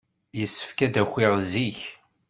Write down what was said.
Yessefk ad d-akiɣ zik.